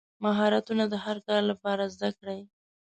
مهارتونه د هر کار لپاره زده کړئ.